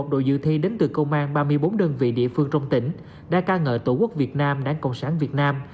một mươi đội dự thi đến từ công an ba mươi bốn đơn vị địa phương trong tỉnh đã ca ngợi tổ quốc việt nam đảng cộng sản việt nam